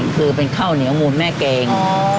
คือเป็นข้าวเหนียวมูลแม่แกง